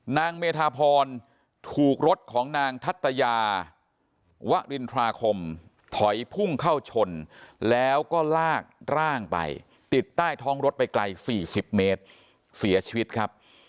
นางเมธาพรถูกรถของนางทัตยาวรินทราคมถอยพุ่งเข้าชนแล้วก็ลากร่างไปติดใต้ท้องรถไปไกล๔๐เมตรเสียชีวิตครับ